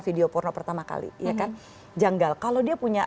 video porno pertama kali janggal kalau dia punya